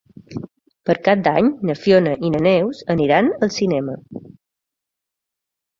Per Cap d'Any na Fiona i na Neus aniran al cinema.